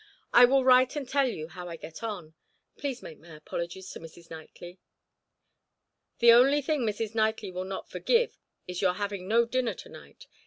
I will write and tell you how I get on. Please make my apologies to Mrs. Knightley." "The only thing Mrs. Knightley will not forgive is your having no dinner to night.